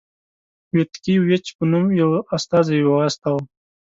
ویتکي ویچ په نوم یو استازی واستاوه.